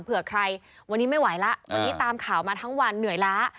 เผื่อใครวันนี้ไม่ไหวแล้ววันนี้ตามข่าวมาทั้งวันเหนื่อยล้า